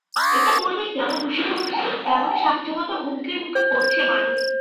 এতে পরিবেশ যেমন দুষিত হচ্ছে, তেমনি স্বাস্থ্যগত হুমকির মুখে পড়ছে মানুষ।